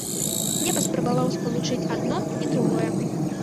Я паспрабаваў спалучыць адно і другое.